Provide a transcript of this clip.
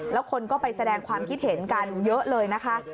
แล้วคนก็ไปแสดงความคิดเห็นกันเยอะเลยนะคะ